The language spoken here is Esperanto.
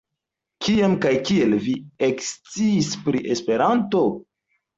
Kiam kaj kiel vi eksciis pri Esperanto?